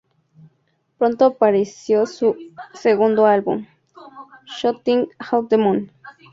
Pronto apareció su segundo álbum, "Shooting at the moon".